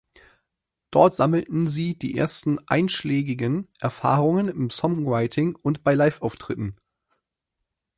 Dort sammelten sie die ersten einschlägigen Erfahrungen im Songwriting und bei Liveauftritten.